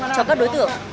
cho các đối tượng